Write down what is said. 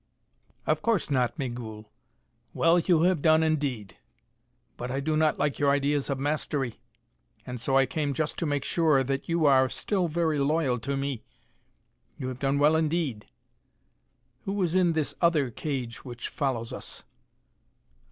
"Of course not, Migul. Well you have done, indeed. But I do not like your ideas of mastery, and so I came just to make sure that you are still very loyal to me. You have done well, indeed. Who is in this other cage which follows us?"